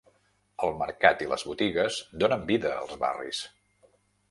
El mercat i les botigues donen vida als barris.